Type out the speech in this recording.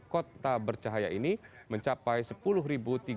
kota bercahaya ini mencapai sepuluh tiga ratus enam puluh dua orang